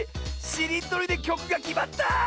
しりとりできょくがきまった！